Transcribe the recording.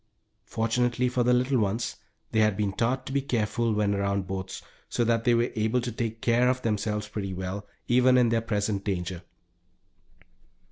Fortunately for the little ones they had been taught to be careful when around boats, so that they were able to take care of themselves pretty well, even in their present danger.